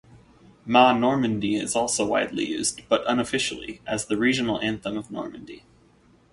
"Ma Normandie" is also widely used, but unofficially, as the regional anthem of Normandy.